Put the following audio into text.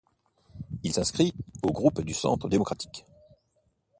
Il s’inscrit au groupe du Centre démocratique.